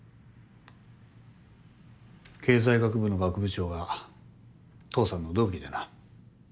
経済学部の学部長が父さんの同期でな。